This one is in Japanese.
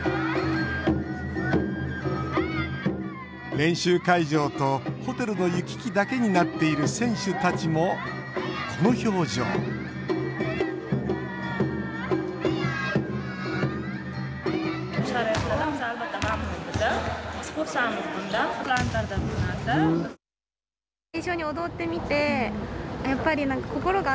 練習会場とホテルの行き来だけになっている選手たちも、この表情杉並区に滞在した最後の日。